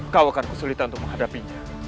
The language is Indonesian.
kau akan kesulitan untuk menghadapinya